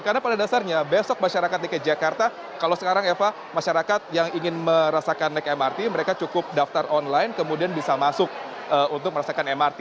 karena pada dasarnya besok masyarakat dki jakarta kalau sekarang eva masyarakat yang ingin merasakan naik mrt mereka cukup daftar online kemudian bisa masuk untuk merasakan mrt